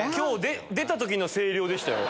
出た時の声量でしたよ。